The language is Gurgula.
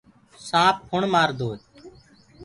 سآنپ ڦُڻ مآردو هي۔